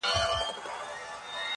هغه بل دي جېب ته ګوري وايی ساندي -